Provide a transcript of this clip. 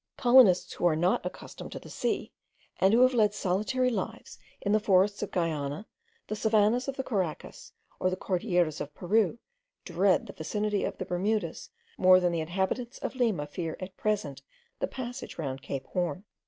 Colonists who are not accustomed to the sea, and who have led solitary lives in the forests of Guiana, the savannahs of the Caracas, or the Cordilleras of Peru, dread the vicinity of the Bermudas more than the inhabitants of Lima fear at present the passage round Cape horn.